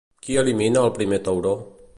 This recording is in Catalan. Qui elimina el primer tauró?